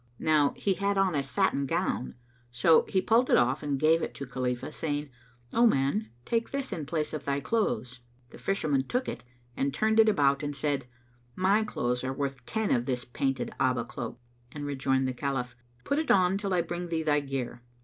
Now he had on a satin gown; so he pulled it off and gave it to Khalifah, saying, "O man, take this in place of thy clothes." The Fisherman took it and turned it about and said, "My clothes are worth ten of this painted 'Abá cloak;" and rejoined the Caliph, "Put it on till I bring thee thy gear."